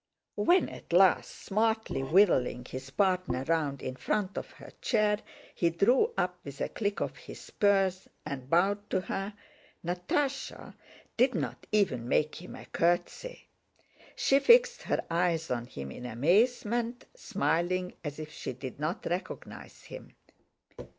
When at last, smartly whirling his partner round in front of her chair, he drew up with a click of his spurs and bowed to her, Natásha did not even make him a curtsy. She fixed her eyes on him in amazement, smiling as if she did not recognize him.